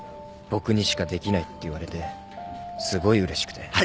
僕にしかできないって言われてすごいうれしくて。